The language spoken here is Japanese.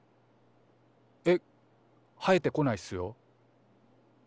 えっ生えてこないっすよ。